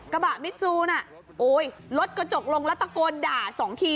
กระบะมิดซูน่ะโอ้ยรถกระจกลงแล้วตะโกนด่าสองที